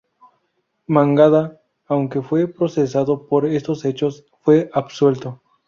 Mangada, aunque fue procesado por estos hechos, fue absuelto.